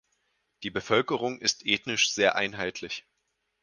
Die Bevölkerung ist ethnisch sehr einheitlich.